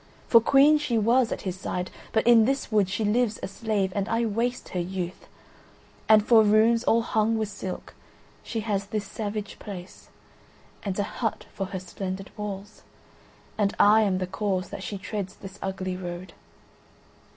For Queen she was at his side, but in this wood she lives a slave, and I waste her youth; and for rooms all hung with silk she has this savage place, and a hut for her splendid walls, and I am the cause that she treads this ugly road.